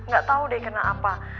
gak tau deh kena apa